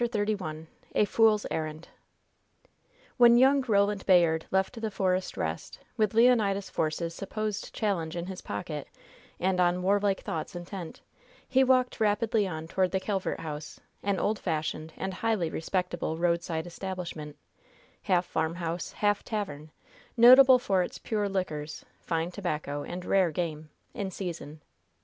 CHAPTER XXXI A FOOL'S ERRAND When young Roland Bayard left the Forest Rest, with Leonidas Force's supposed challenge in his pocket and on warlike thoughts intent, he walked rapidly on toward the Calvert House, an old fashioned and highly respectable roadside establishment, half farmhouse, half tavern, notable for its pure liquors, fine tobacco and rare game in season.